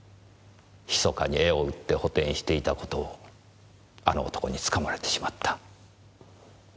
密かに絵を売って補填していた事をあの男につかまれてしまった。